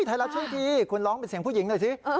ไทยรัฐทีวีคุณร้องเป็นเสียงผู้หญิงหน่อยสิ